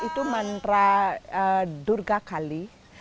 itu mantra durga kali